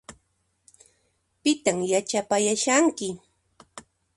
Pitan yachapayashanki?